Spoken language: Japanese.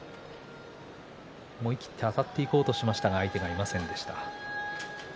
思い切ってあたっていこうとしましたけれども相手がいませんでした。